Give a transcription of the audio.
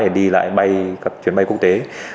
để đi lại chuyến bay quốc tế